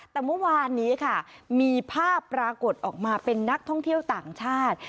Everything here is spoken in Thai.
แต่เมื่อวานนี้ค่ะมีภาพปรากฏออกมาเป็นนักท่องเที่ยวต่างชาติ